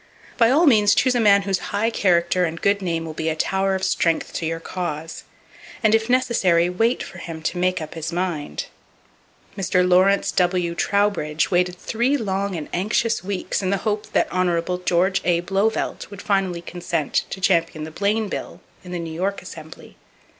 By all means choose a man whose high character and good name will be a tower of strength to your cause; and if necessary, wait for him to make up his mind. Mr. Lawrence W. Trowbridge waited three long and anxious weeks in the hope that Hon. George A. Blauvelt would finally consent to champion the Bayne bill in the New York Assembly.